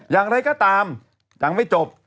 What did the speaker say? อย่างไรก็ตามยังไม่จบ